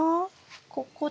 ここです。